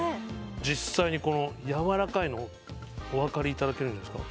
実際にこの柔らかいのをお分かりいただけるんじゃないですか。